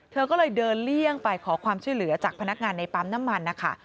เธอก็เลยเดินเลี่ยงไปขอความช่วยเหลือจากพนักงานในปั๊มน้ำมันนะคะ